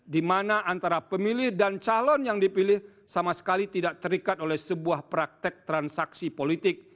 di mana antara pemilih dan calon yang dipilih sama sekali tidak terikat oleh sebuah praktek transaksi politik